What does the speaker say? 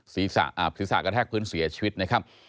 ศีรษะกระแทกพื้นเสียชีวิตนะครับ